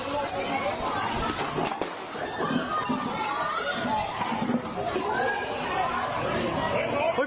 แล้วจ้ะ